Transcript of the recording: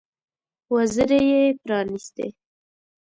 وزرې یې پرانيستې.